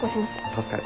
助かる。